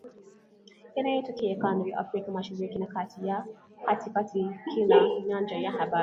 yanayotokea kanda ya Afrika Mashariki na Kati, katika kila nyanja ya habari